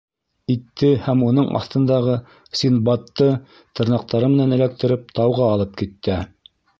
Итте һәм уның аҫтындағы Синдбадты тырнаҡтары менән эләктереп, тауға алып китә.